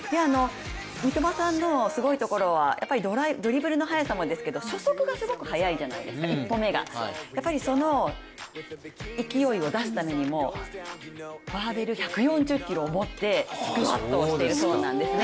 三笘さんのすごいところはドリブルの速さもそうなんですが初速がすごく速いじゃないですかやっぱりその勢いを出すためにもバーベル１４０ｋｇを持ってスクワットをしているそうなんですね。